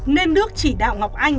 nên đức chỉ đạo ngọc anh